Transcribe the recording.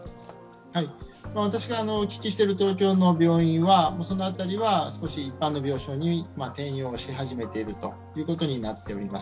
私がお聞きしている東京の病院はそのあたりは少し一般の病床に転用し始めていることになっています。